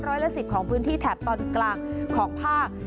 ร้อยละ๑๐ของพื้นที่แถบตอนกลางของภาค